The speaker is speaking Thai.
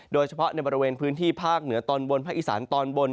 โดยเฉพาะในบริเวณพื้นที่ภาคเหนือตอนบนภาคอีสานตอนบน